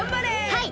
はい！